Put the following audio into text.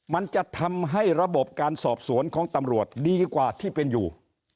มันจะทำให้ระบบการสอบสวนของตำรวจดีกว่าที่เป็นอยู่